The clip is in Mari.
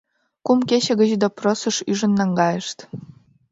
— Кум кече гыч допросыш ӱжын наҥгайышт.